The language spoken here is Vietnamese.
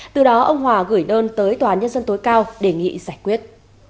từ đó ông hòa gửi đơn tới tòa nhân dân tối cao đề nghị giải quyết